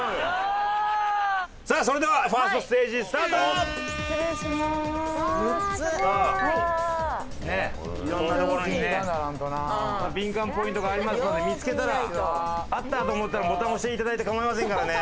さあねっ色んな所にねビンカンポイントがありますので見つけたら「あった」と思ったらボタン押して頂いて構いませんからね。